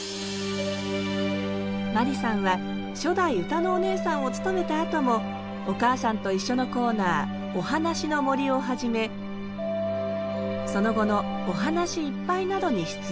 眞理さんは初代歌のお姉さんを務めたあとも「おかあさんといっしょ」のコーナー「おはなしのもり」をはじめその後の「おはなしいっぱい」などに出演。